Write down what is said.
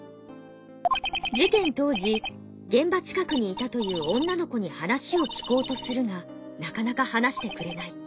事件当時現場近くにいたという女の子に話を聞こうとするがなかなか話してくれない。